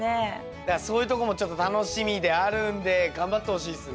だからそういうとこもちょっと楽しみであるんで頑張ってほしいっすね。